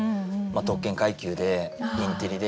特権階級でインテリで。